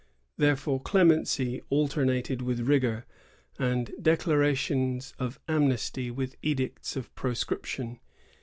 Therefore, clemency alternated with rigor, and declarations of amnesty with edicts of pro scription.